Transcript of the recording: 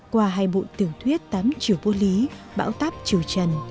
qua hai bộ tiểu thuyết tám chiều vô lý bão táp chiều trần